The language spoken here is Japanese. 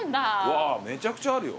わあめちゃくちゃあるよ。